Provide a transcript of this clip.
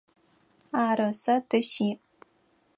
Ары, сэ ты сиӏ.